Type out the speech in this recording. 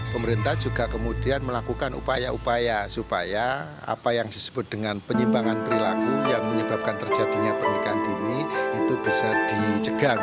pemerintah juga kemudian melakukan upaya upaya supaya apa yang disebut dengan penyimpangan perilaku yang menyebabkan terjadinya pernikahan dini itu bisa dicegah